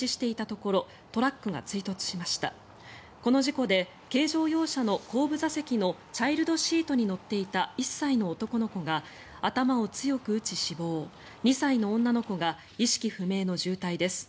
この事故で軽乗用車の後部座席のチャイルドシートに乗っていた１歳の男の子が頭を強く打ち死亡２歳の女の子が意識不明の重体です。